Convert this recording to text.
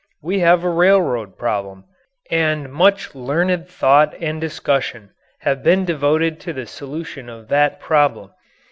We have a railroad problem, and much learned thought and discussion have been devoted to the solution of that problem.